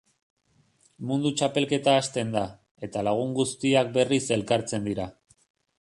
Mundu Txapelketa hasten da, eta lagun guztiak berriz elkartzen dira.